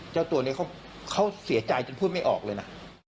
เจ้าตัวนี้เขาเสียใจจนพูดไม่ออกเลยนะ